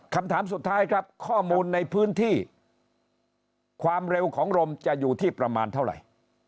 คำถามสุดท้ายครับข้อมูลในพื้นที่ความเร็วของลมจะอยู่ที่ประมาณเท่าไหร่